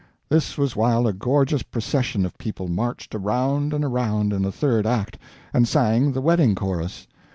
This was while a gorgeous procession of people marched around and around, in the third act, and sang the Wedding Chorus.